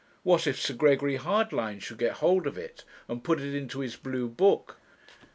What if Sir Gregory Hardlines should get hold of it and put it into his blue book!